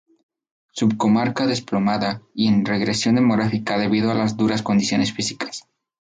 Subcomarca despoblada y en regresión demográfica debido a las duras condiciones físicas.